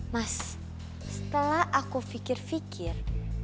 mas setelah aku pikir pikir